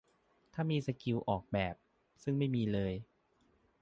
ถ้ามีสกิลออกแบบ ซึ่งไม่มีเลย